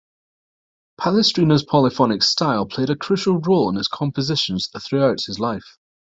Palestrina's polyphonic style played a crucial role in his compositions throughout his life.